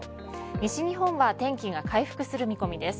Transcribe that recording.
西日本は天気が回復する見込みです。